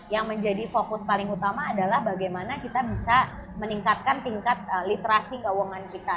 yang menjadi fokus paling utama adalah bagaimana kita bisa meningkatkan tingkat literasi keuangan kita